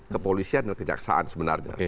kepolisian dan kejaksaan sebenarnya